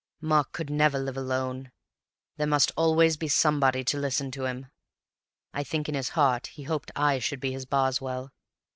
Mark could never live alone. There must always be somebody to listen to him. I think in his heart he hoped I should be his Boswell.